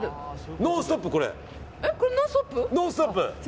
「ノンストップ！」。